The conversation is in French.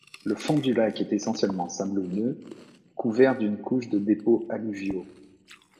Le fond du lac est essentiellement sablonneux couvert d'une couche de dépôts alluviaux.